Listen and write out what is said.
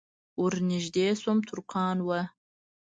ور نږدې شوم ترکان وو.